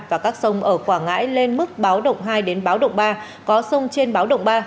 và các sông ở quảng ngãi lên mức báo động hai đến báo động ba có sông trên báo động ba